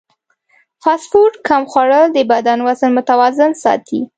فاسټ فوډ کم خوړل د بدن وزن متوازن ساتي.